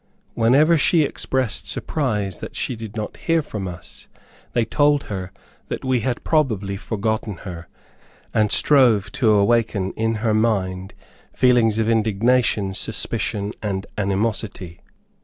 Whenever she expressed surprise that she did not hear from us, they told her that we had probably forgotten her, and strove to awaken in her mind feelings of indignation, suspicion and animosity.